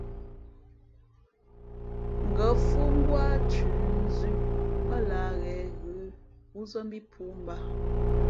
Ngα̌ fhʉ̄ ngwá thʉ̌ nzʉ̄, ά lǎh ghěn ghʉ wúzᾱ mbí pōō mbǎ.